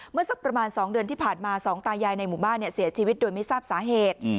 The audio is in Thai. สักประมาณ๒เดือนที่ผ่านมาสองตายายในหมู่บ้านเสียชีวิตโดยไม่ทราบสาเหตุ